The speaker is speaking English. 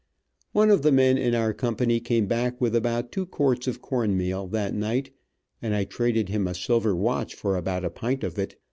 One of the men of our company came back with about two quarts of corn meal, that night, and I traded him a silver watch for about a pint of it.